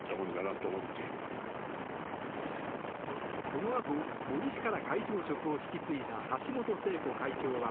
そのあと、森氏から会長職を引き継いだ橋本聖子会長は。